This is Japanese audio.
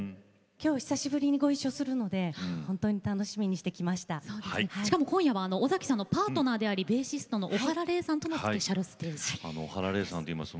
久しぶりにごいっしょするので今夜は尾崎さんのパートナーでありベーシストの小原礼さんとのスペシャルステージです。